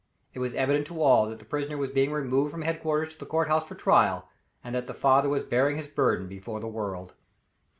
It was evident to all that the prisoner was being removed from headquarters to the court house for trial, and that the father was bearing his burden before the world.